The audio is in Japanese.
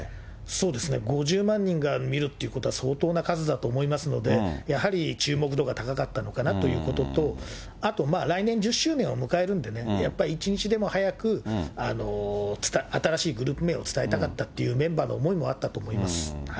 そうですね、５０万人が見るってことは相当な数だと思いますので、やはり注目度が高かったのかなということと、あとまあ、来年１０周年を迎えるんでね、やっぱり一日でも早く、新しいグループ名を伝えたかったっていうメンバーの思いもあったと思います。